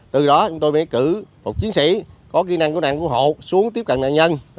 từ đó chúng tôi mới cử một chiến sĩ có kỹ năng của nạn của hộ xuống tiếp cận nạn nhân